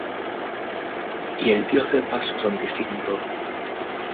Y el Dios de paz os santifique en todo;